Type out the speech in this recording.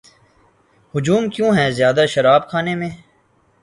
ہجوم کیوں ہے زیادہ شراب خانے میں